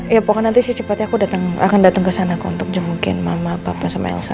ya pokoknya nanti secepatnya aku akan datang ke sana aku untuk jemukin mama papa sama elsa